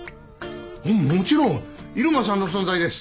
もちろん入間さんの存在です。